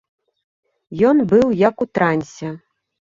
Ён быў як у трансе.